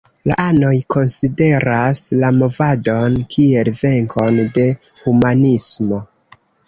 La anoj konsideras la movadon kiel venkon de humanismo.